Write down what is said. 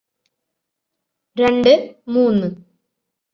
രണ്ട് മൂന്ന്